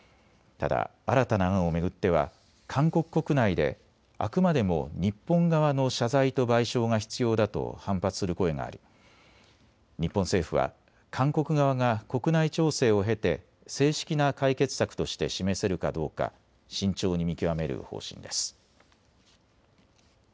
ただ新たな案を巡っては韓国国内であくまでも日本側の謝罪と賠償が必要だと反発する声があり、日本政府は韓国側が国内調整を経て正式な解決策として示せるかどうか慎重に見極める方針です。